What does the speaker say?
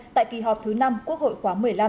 tại kỳ họp thứ năm quốc hội khóa một mươi năm